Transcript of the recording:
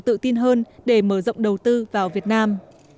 tự tin hơn để mở rộng đầu tư vào việt nam